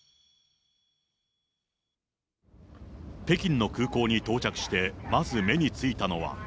北京の空港に到着してまず目についたのは。